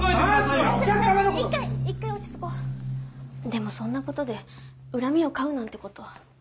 でもそんな事で恨みを買うなんて事。